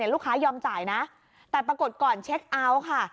ลูกค้ายอมจ่ายนะแต่ปรากฏก่อนเช็คเอาท์ค่ะ